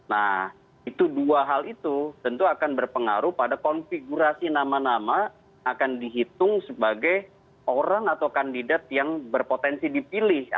nah itu dua hal itu tentu akan berpengaruh pada konfigurasi nama nama yang akan dihitung sebagai orang atau kandidat yang berpotensi dipilih